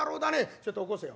ちょいと起こせよ」。